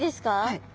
はい。